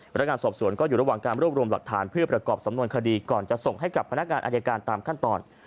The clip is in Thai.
พนักงานสอบสวนก็อยู่ระหว่างการรวบรวมหลักฐานเพื่อประกอบสำนวนคดีก่อนจะส่งให้กับพนักงานอายการตามขั้นตอน